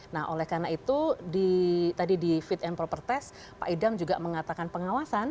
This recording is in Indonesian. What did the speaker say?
nah oleh karena itu tadi di fit and proper test pak idam juga mengatakan pengawasan